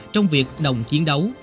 trong việc đồng chiến đấu